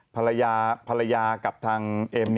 ภรรยากับทางเอ็ม